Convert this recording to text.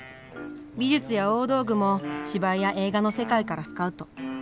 美術や大道具も芝居や映画の世界からスカウト。